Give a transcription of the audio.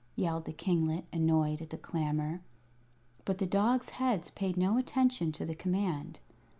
yelled the kinglet, annoyed at the clamor. But the dog's heads paid no attention to the command.